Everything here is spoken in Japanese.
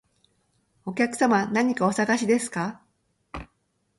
お客様、何かお探しですか？